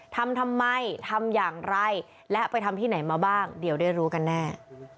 ทำทำไมทำอย่างไรและไปทำที่ไหนมาบ้างเดี๋ยวได้รู้กันแน่